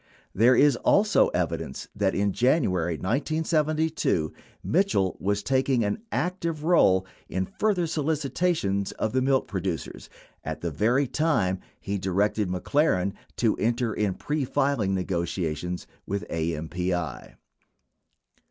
There is also evidence that in J anuary 1972, .Mitchell was taking an active role in further solicitations of the milk producers at the very time he directed McLaren to enter into pre filing negotia tions with AMPI.